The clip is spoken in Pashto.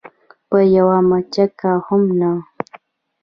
په یوه مچکه هم نه.